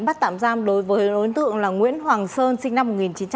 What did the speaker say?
làm giam đối với ấn tượng là nguyễn hoàng sơn sinh năm một nghìn chín trăm chín mươi